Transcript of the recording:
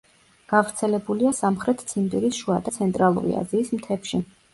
გავრცელებულია სამხრეთ ციმბირის შუა და ცენტრალური აზიის მთებში.